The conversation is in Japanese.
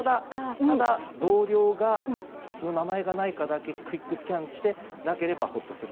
同僚の名前がないかだけクイックスキャンしてなければほっとする。